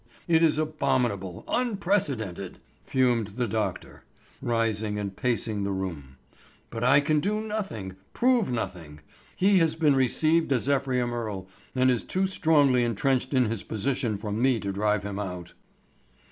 "It is abominable, unprecedented!" fumed the doctor, rising and pacing the room. "But I can do nothing, prove nothing. He has been received as Ephraim Earle, and is too strongly intrenched in his position for me to drive him out."